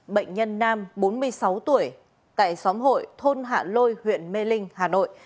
bệnh nhân nam bốn mươi sáu tuổi tại xóm hội thôn hạ lôi huyện mê linh hà nội